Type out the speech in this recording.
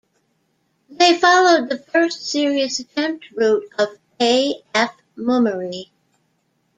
They followed the first serious attempt route of A F Mummery.